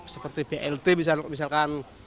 seperti blt misalkan